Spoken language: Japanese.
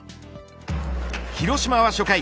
広島は初回。